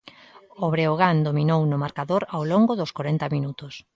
O Breogán dominou no marcador ao longo dos corenta minutos.